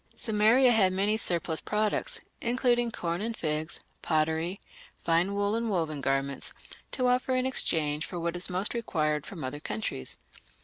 Sumeria had many surplus products, including corn and figs, pottery, fine wool and woven garments, to offer in exchange for what it most required from other countries.